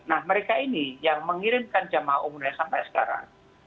nah mereka ini yang mengirimkan jemaah umroh sampai sekarang